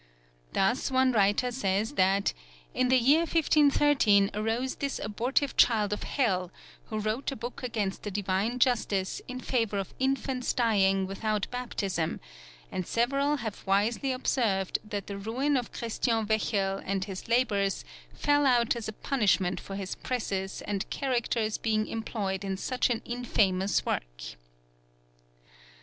Thus one writer says that "in the year 1530 arose this abortive child of hell, who wrote a book against the Divine Justice in favour of infants dying without baptism, and several have wisely observed that the ruin of Christian Wechel and his labours fell out as a punishment for his presses and characters being employed in such an infamous work."